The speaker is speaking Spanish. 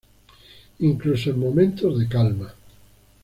Incluso en momentos de calma.